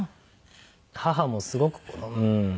母もすごくうん。